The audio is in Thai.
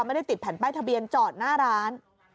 ไม่ได้ติดแผ่นป้ายทะเบียนจอดหน้าร้าน